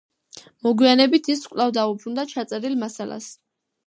მოგვიანებით ის კვლავ დაუბრუნდა ჩაწერილ მასალას.